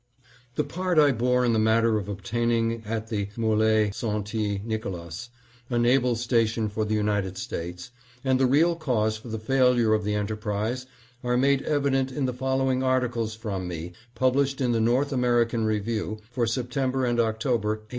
THE part I bore in the matter of obtaining at the M61e St. Nicolas a naval station for the United States, and the real cause for the failure of the enter prise, are made evident in the following articles from me, published in the North American Review for Sep tember and October, 1891.